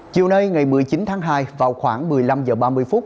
chiều nay ngày một mươi chín tháng hai vào khoảng một mươi năm h ba mươi phút